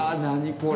これ。